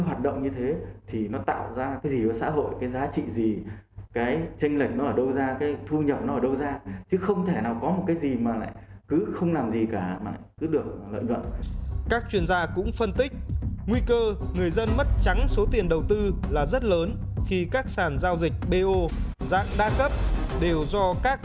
hoàn toàn can thiệp hoàn toàn không thể giao túng được